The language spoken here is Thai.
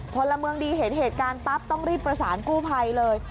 พลเมืองดีเห็นเหตุการณ์ปั๊บต้องรีบประสานกู้ภัยเลย